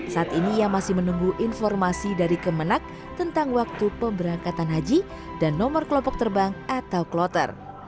saat ini ia masih menunggu informasi dari kemenak tentang waktu pemberangkatan haji dan nomor kelompok terbang atau kloter